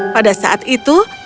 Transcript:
pada saat itu